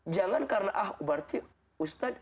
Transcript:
jangan karena ah berarti ustaz